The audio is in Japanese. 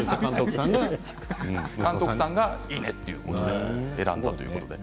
監督がいいねということで選んだということです。